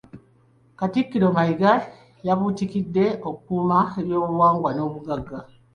Katikkiro Mayiga yabakuutidde okukuuma ebyobuwangwa n’obugagga.